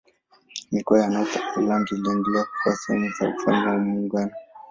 Mikoa ya Northern Ireland iliendelea kuwa sehemu za Ufalme wa Muungano.